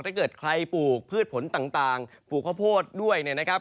ถ้าเกิดใครปลูกพืชผลต่างปลูกข้าวโพดด้วยเนี่ยนะครับ